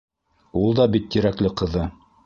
Ул да бит Тирәкле ҡыҙы.